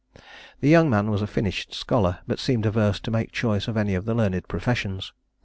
The young man was a finished scholar, but seemed averse to make choice of any of the learned professions.